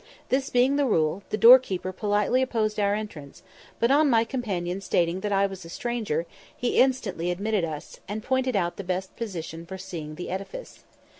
This being the rule, the doorkeeper politely opposed our entrance; but on my companion stating that I was a stranger, he instantly admitted us, and pointed out the best position for seeing the edifice.